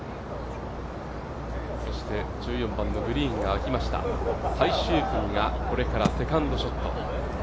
そして１４番のグリーンがあきました、最終組が、これからセカンドショット。